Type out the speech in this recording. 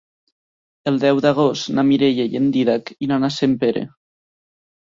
El deu d'agost na Mireia i en Dídac iran a Sempere.